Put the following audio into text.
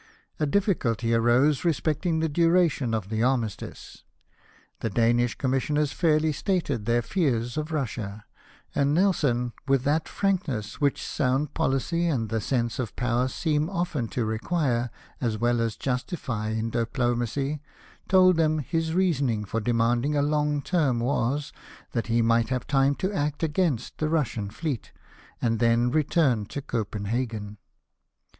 A difficulty arose respecting the duration of the armistice. The Danish Commissioners fairly stated their fears of Russia ; and Nelson, with that frankness which sound policy and the sense of power seem often to require as well as justify in diplomacy, told them his reason for demanding a long term was that he might have time to act against the Russian fleet, and then return to Copenhagen.